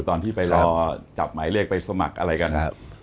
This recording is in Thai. ตอนที่ไปรอจับหมายเลขไปสมัครอะไรกัน